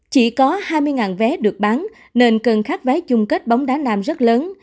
chỉ có hai mươi vé được bán nên cần khắc vé chung kết bóng đá nam rất lớn